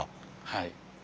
はい。